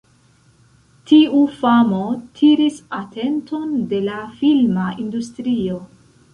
Tiu famo tiris atenton de la filma industrio.